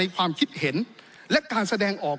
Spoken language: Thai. ความคิดเห็นและการแสดงออก